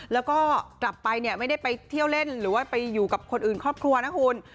แล้วก็กลับไปเนี่ยไม่ได้ไปเที่ยวเล่นหรือว่าไปอยู่กับคนอื่นครอบครัวนะคุณ